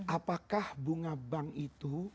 apakah bunga bank itu